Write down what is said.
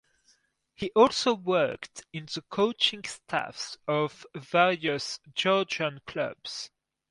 He also worked in the coaching staffs of various Georgian clubs.